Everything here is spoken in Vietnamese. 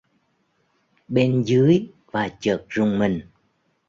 bên dưới và chợt rùng mình